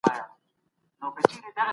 ښځه ذاتاً وارخطا وي.